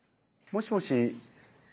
もしもし。